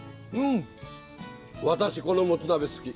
私このもつ鍋好き。